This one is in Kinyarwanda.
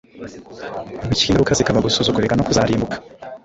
bityo ingaruka zikaba gusuzugurika no kuzarimbuka.